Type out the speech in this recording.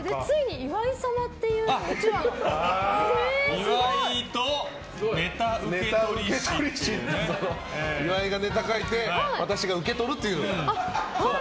岩井がネタ書いて私が受け取るという。